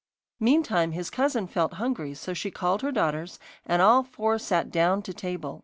Meantime his cousin felt hungry, so she called her daughters, and all four sat down to table.